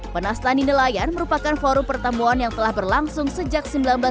penas tani nelayan merupakan forum pertemuan yang telah berlangsung sejak seribu sembilan ratus tujuh puluh satu